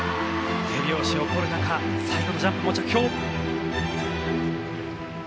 手拍子起こる中最後のジャンプも着氷。